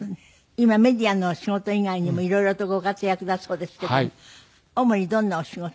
今メディアのお仕事以外にも色々とご活躍だそうですけど主にどんなお仕事？